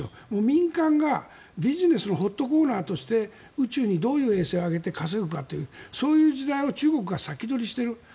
民間がビジネスのホットコーナーとして宇宙にどういう衛星を上げて稼ぐかというそういう時代を中国が先取りしてる。